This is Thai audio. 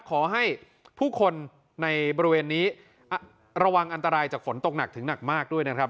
ขอให้ผู้คนในบริเวณนี้ระวังอันตรายจากฝนตกหนักถึงหนักมากด้วยนะครับ